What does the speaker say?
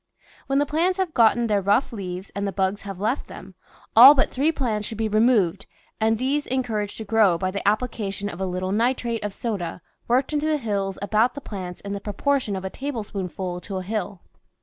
When the plants have gotten their rough leaves and the bugs have left them, all but three plants should be removed and these encour aged to grow by the application of a little nitrate of soda worked into the hills about the plants in the proportion of a tablespoonful to a hill.